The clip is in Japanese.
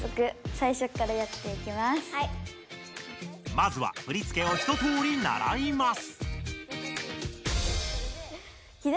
まずは振付を一とおりならいます。